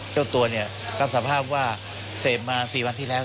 เจ้าตัวเนี่ยรับสภาพว่าเสพมา๔วันที่แล้ว